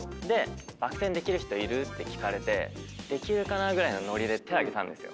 「バク転できる人いる？」って聞かれてできるかな？ぐらいのノリで手挙げたんですよ。